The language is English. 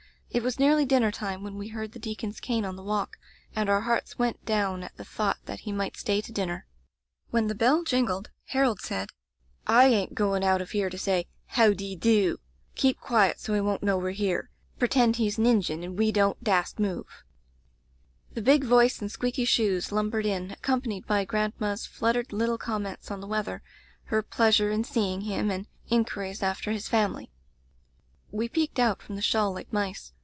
It was nearly dinner time when we heard the deacon's cane on the walk, and our hearts went down at the thought that he might stay to dinner. When the bell jingled, Harold said: */ ain't going out of here to say "How de do." Keep Digitized by LjOOQ IC A Dispensation quiet, so he won't know we're here. Pretend he's an Injun and we don't dast move!' "The big voice and squeaky shoes lum bered in, accompanied by grandma's flut tered little comments on the weather, her pleasure in seeing him, and inquiries after his family. "We peeked out from the shawl like mice.